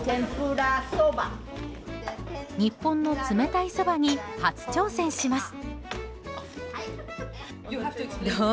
日本の冷たいそばに初挑戦します。